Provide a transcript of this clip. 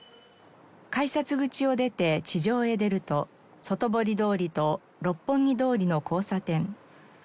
改札口を出て地上へ出ると外堀通りと六本木通りの交差点。